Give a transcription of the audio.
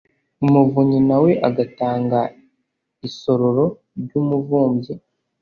umuvumyi nawe agatanga isororo ry’umuvubyi: